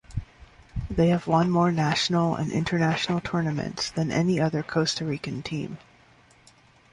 They have won more national and international tournaments than any other Costa Rican team.